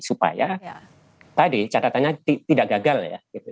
supaya tadi catatannya tidak gagal ya